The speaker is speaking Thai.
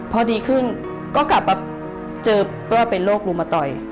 พอดีขึ้นก็กลับมาเจอว่าเป็นโรครุมตอย